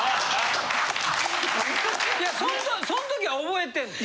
そん時は覚えてるの？